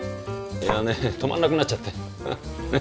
いやね止まんなくなっちゃって。